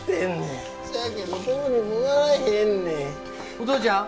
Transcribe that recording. お父ちゃん？